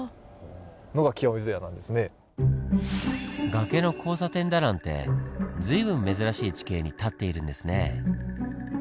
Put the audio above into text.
崖の交差点だなんて随分珍しい地形に建っているんですねぇ。